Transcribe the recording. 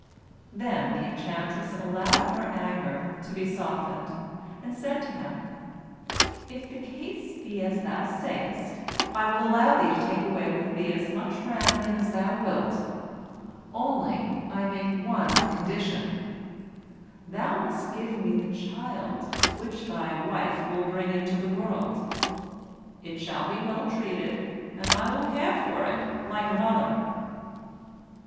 Then the enchantress allowed her anger to be softened, and said to him, "If the case be as you say, I will allow you to take away with you as much rampion as you will, only I make one condition, you must give me the child which your wife will bring into the world; it shall be well treated, and I will care for it like a mother."